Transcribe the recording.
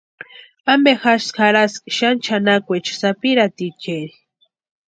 ¿Ampe jasï jarhaski xani chʼanakweecha sapirhaticheri?